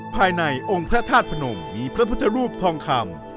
ภายในองค์พระธาตุพนมมีพระพุทธรูปทองคำ